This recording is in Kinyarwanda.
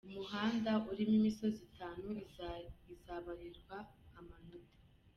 Umuhanda urimo imisozi itanu izabarirwa amanota.